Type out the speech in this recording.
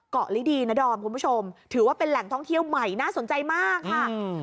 ลิดีนะดอมคุณผู้ชมถือว่าเป็นแหล่งท่องเที่ยวใหม่น่าสนใจมากค่ะ